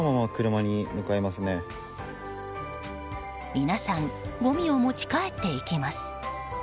皆さんごみを持ち帰っていきます。